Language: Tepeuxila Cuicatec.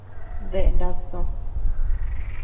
¿Dae nád tò?